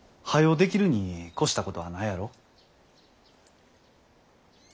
できるに越したことはないやろ。